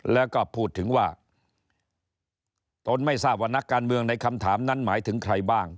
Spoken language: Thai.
แล้วก็พูดถึงว่าตนไม่ทราบว่านักการเมืองในคำถามนั้นหมายถึงใครบ้าง